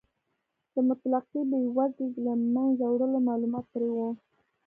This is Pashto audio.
د مطلقې بې وزلۍ د له منځه وړلو مالومات پرې و.